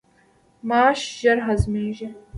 ماش ژر هضمیږي.